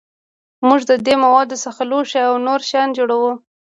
موږ د دې موادو څخه لوښي او نور شیان جوړوو.